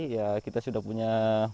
ya kita sudah punya